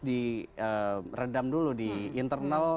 di redam dulu di internal